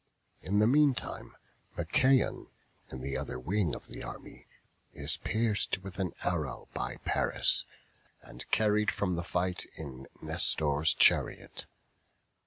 In the meantime Machaon, in the other wing of the army, is pierced with an arrow by Paris, and carried from the fight in Nestor's chariot.